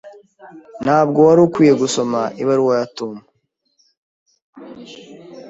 Ntabwo wari ukwiye gusoma ibaruwa ya Tom.